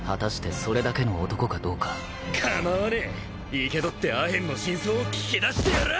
生け捕ってアヘンの真相を聞き出してやらぁ！